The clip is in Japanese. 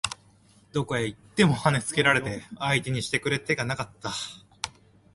どこへ行っても跳ね付けられて相手にしてくれ手がなかった